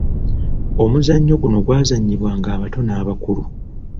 Omuzannyo guno gwazannyibwanga abato n’abakulu.